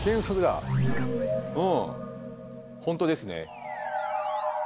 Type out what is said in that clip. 本当ですね。